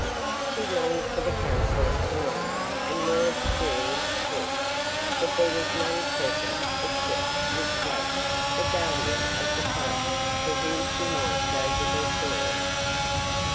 She longed for the counsel of an older and more experienced head, but there was none present, except Miss Ladd, the Guardian of the Fire, to whom she might go with her story.